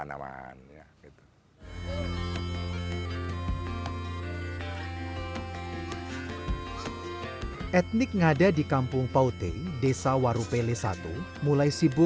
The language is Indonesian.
namun zaman baru perubahan values ini